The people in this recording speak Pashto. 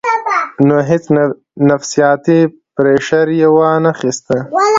نو هېڅ نفسياتي پرېشر ئې وانۀ خستۀ -